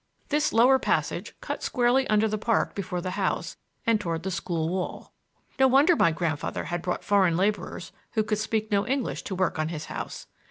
This lower passage cut squarely under the park before the house and toward the school wall. No wonder my grandfather had brought foreign laborers who could speak no English to work on his house!